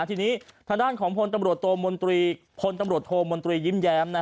ทีนี้ธนาญของพตโตมยยิ้มแย้ม